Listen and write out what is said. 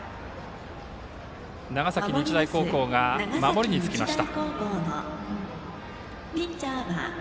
長崎日大高校が守りにつきます。